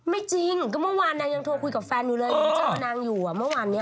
ไม่จริงก็เมื่อวานนางยังโทรคุยกับแฟนอยู่เลยเจอนางอยู่อ่ะเมื่อวานนี้